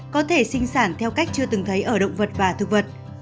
có thể sinh sản theo cách chưa từng thấy ở động vật và thực vật